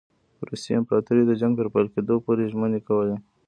روسي امپراطوري د جنګ تر پیل کېدلو پوري ژمنې کولې.